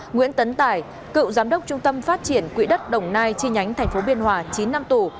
nguyễn tấn tải cựu giám đốc trung tâm phát triển quỹ đất đồng nai chi nhánh thành phố biên hòa chín năm tù